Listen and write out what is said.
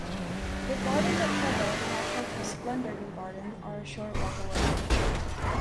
The gardens at Trebah, the National Trust's Glendurgan Garden, are a short walk away.